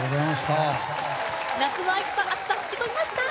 夏の暑さ、吹き飛びました。